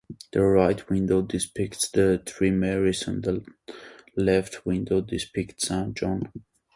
The right window depicts the Three Marys and the left window depicts Saint John.